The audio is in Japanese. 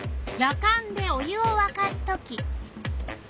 やかんでお湯をわかすとき。